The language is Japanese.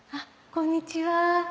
こんにちは。